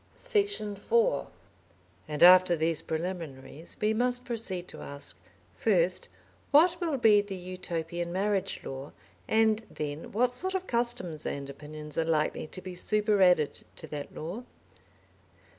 Section 4 And after these preliminaries we must proceed to ask, first, what will be the Utopian marriage law, and then what sort of customs and opinions are likely to be superadded to that law?